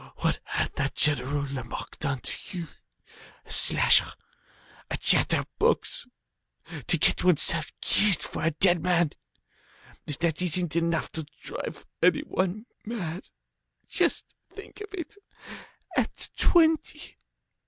What had that General Lamarque done to you? A slasher! A chatter box! To get oneself killed for a dead man! If that isn't enough to drive any one mad! Just think of it! At twenty!